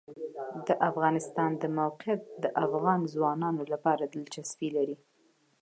د افغانستان د موقعیت د افغان ځوانانو لپاره دلچسپي لري.